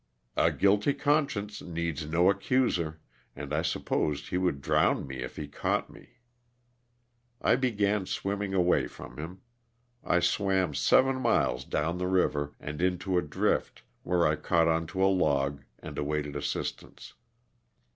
'' A guilty con science needs no accuser," and I supposed he would drown me if he caught me. I began swimming away from him. I swam seven miles down the river and into a drift, where I caught onto a log and awaited assistance.